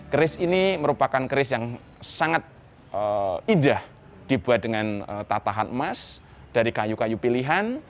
keris ini merupakan keris yang sangat indah dibuat dengan tatahan emas dari kayu kayu pilihan